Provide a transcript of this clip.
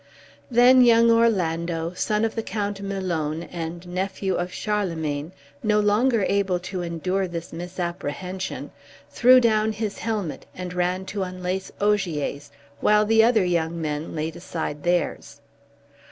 Then young Orlando, son of the Count Milone, and nephew of Charlemagne, no longer able to endure this misapprehension, threw down his helmet, and ran to unlace Ogier's, while the other young men laid aside theirs.